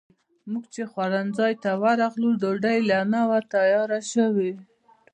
موږ چې خوړنځای ته ورغلو، ډوډۍ لا نه وه تیاره شوې.